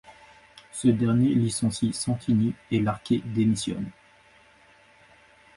Ce dernier licencie Santini et Larqué démissionne.